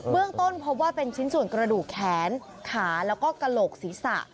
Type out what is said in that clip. เรื่องต้นพบว่าเป็นชิ้นส่วนกระดูกแขนขาแล้วก็กระโหลกศีรษะ